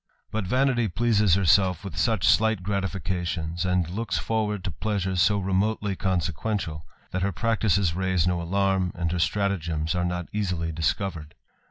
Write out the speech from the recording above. But vanity pleases lerself with such slight gratifications, and looks forward to pleasure so remotely consequential, that her practices raise 10 alarm, and her statagems are not easily discovered.